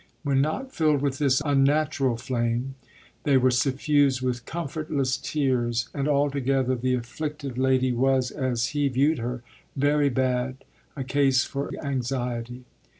When not filled with this unnatural flame they were suffused with comfortless tears; and altogether the afflicted lady was, as he viewed her, very bad, a case for anxiety.